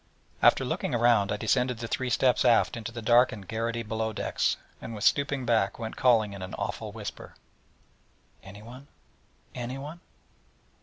After looking around I descended the three steps aft into the dark and garrety below decks, and with stooping back went calling in an awful whisper: '_Anyone? Anyone?